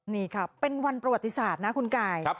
นี่ค่ะเป็นวันประวัติศาสตร์นะคุณกาย